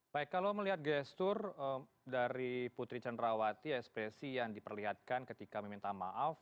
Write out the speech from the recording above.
baik kalau melihat gestur dari putri cenrawati ekspresi yang diperlihatkan ketika meminta maaf